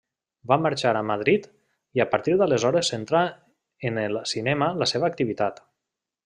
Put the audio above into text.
Va marxar a Madrid, i a partir d'aleshores centrà en el cinema la seva activitat.